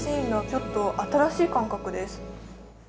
ちょっと新しい感覚です。